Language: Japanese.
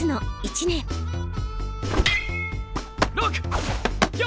６！４！